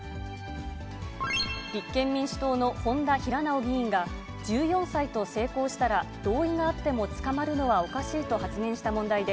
立憲民主党の本多平直議員が、１４歳と性交したら、同意があっても捕まるのはおかしいと発言した問題で、